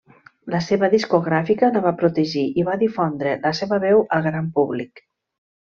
La seva discogràfica la va protegir i va difondre la seva veu al gran públic.